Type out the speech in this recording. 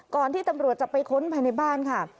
ที่ตำรวจจะไปค้นภายในบ้านค่ะ